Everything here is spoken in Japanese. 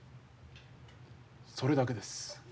それだけです。